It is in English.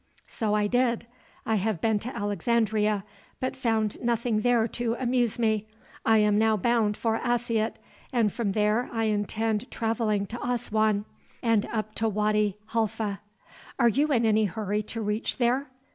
"So I did. I have been to Alexandria, but found nothing there to amuse me. I am now bound for Assyut, and from there I intend traveling to Aswan, and up to Wady Halfa." "Are you in any hurry to reach there?"